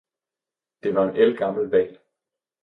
Det var en ældgammel hval.